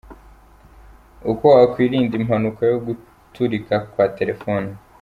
Uko wakwirinda impanuka yo guturika kwa telefone.